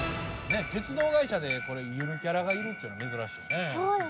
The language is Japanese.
鉄道会社でゆるキャラがいるっていうの珍しいですね。